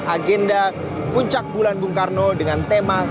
agenda puncak bulan bung karno dengan tema